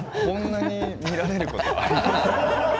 こんなに見られることは。